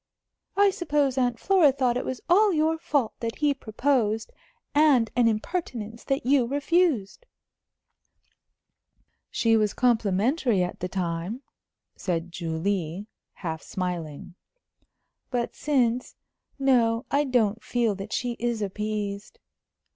I suppose Aunt Flora thought it was all your fault that he proposed, and an impertinence that you refused?" "She was complimentary at the time," said Julie, half smiling. "But since No, I don't feel that she is appeased."